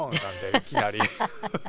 いきなり。